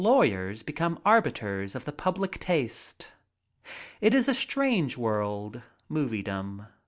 lawyers become arbiters of the public taste ! It is a strange world — Moviedom.